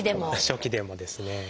初期でもですね。